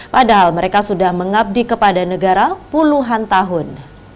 padahal mereka sudah mengabdi kepada negara puluhan tahun